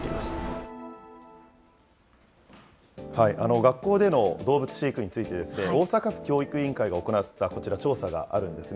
学校での動物飼育について、大阪府教育委員会が行ったこちら、調査があるんですね。